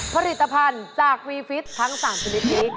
ผลิตภัณฑ์จากฟรีฟิตทั้ง๓ชนิดนี้